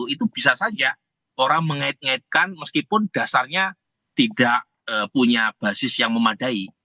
itu bisa saja orang mengait ngaitkan meskipun dasarnya tidak punya basis yang memadai